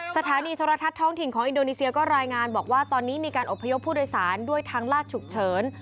สถานีโทรทัศน์ท้องถิ่นของอินโดนีเซียก็รายงานบอกว่าตอนนี้มีการอบพยพผู้โดยสารด้วยทางลาดฉุกเฉิน